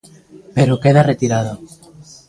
Pero queda retirada.